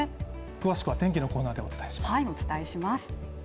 詳しくは天気のコーナーでお伝えします。